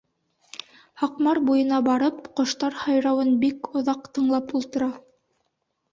Һаҡмар буйына барып, ҡоштар һайрауын бик оҙаҡ тыңлап ултыра.